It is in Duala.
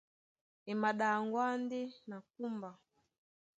E maɗaŋgwá ndé na kúmba.